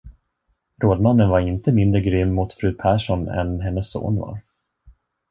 Rådmannen var inte mindre grym mot fru Persson än hennes son var.